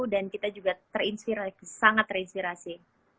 dan kita juga terinspirasi sangat terinspirasi